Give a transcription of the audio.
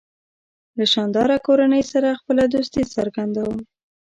له شانداره کورنۍ سره خپله دوستي څرګندوم.